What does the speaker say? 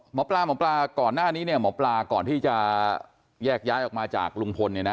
หมอปลาหมอปลาก่อนหน้านี้เนี่ยหมอปลาก่อนที่จะแยกย้ายออกมาจากลุงพลเนี่ยนะ